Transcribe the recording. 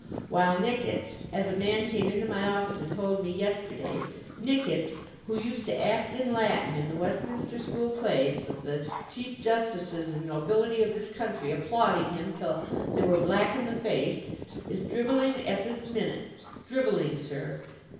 While Nickits (as a man came into my office, and told me yesterday), Nickits, who used to act in Latin, in the Westminster School plays, with the chief justices and nobility of this country applauding him till they were black in the face, is drivelling at this minute—drivelling, sir!